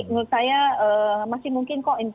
menurut saya masih mungkin kok